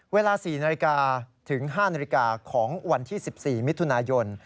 เวลา๔นาฬิกาถึง๕นาฬิกาของวันที่๑๔มิถุนายน